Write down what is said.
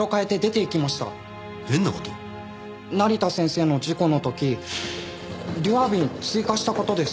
成田先生の事故の時デュワー瓶追加した事です。